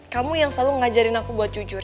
kamu yang selalu ngajarin aku buat jujur